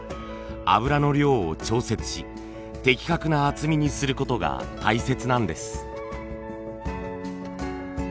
油の量を調節し的確な厚みにすることが大切なんです。